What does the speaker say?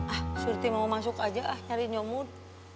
ah surti mau masuk aja ah nyari nyomut